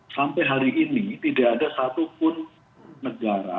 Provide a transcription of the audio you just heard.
sampai hari ini tidak ada satupun negara